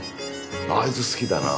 あいつ好きだな。